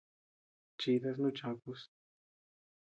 Chidas nuku chakus.